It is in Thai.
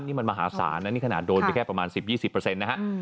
นี่มันมหาศาลนะนี่ขนาดโดนไปแค่ประมาณ๑๐๒๐นะฮะ